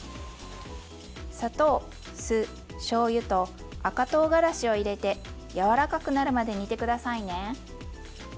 砂糖酢しょうゆと赤とうがらしを入れて柔らかくなるまで煮て下さいね。